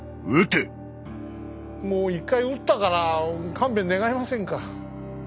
もう１回討ったから勘弁願えませんか。